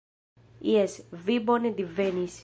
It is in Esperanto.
Jes, vi bone divenis!